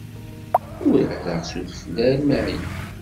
Urareɣ s udfel almi ɛyiɣ.